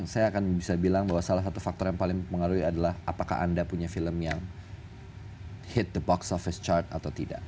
saya akan bisa bilang bahwa salah satu faktor yang paling mengaruhi adalah apakah anda punya film yang hit the box of is chart atau tidak